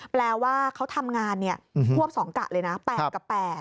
แปลว่าเขาทำงานควบ๒กะเลยนะ๘กับ๘